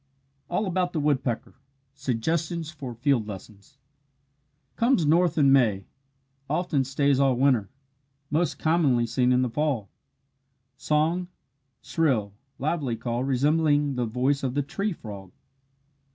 ALL ABOUT THE WOODPECKER SUGGESTIONS FOR FIELD LESSONS Comes north in May often stays all winter most commonly seen in the fall. Song shrill, lively call resembling the voice of the tree frog.